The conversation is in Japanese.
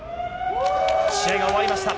試合が終わりました。